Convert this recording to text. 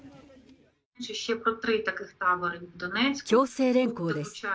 強制連行です。